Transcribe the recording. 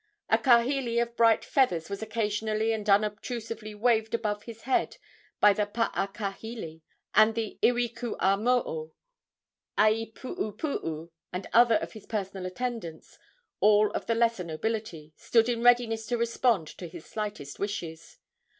A kahili of bright feathers was occasionally and unobtrusively waved above his head by the paakahili, and the iwikuamoo, aipuupuu and other of his personal attendants, all of the lesser nobility, stood in readiness to respond to his slightest wishes.